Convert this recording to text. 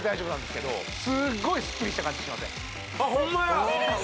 すっごいスッキリした感じしません？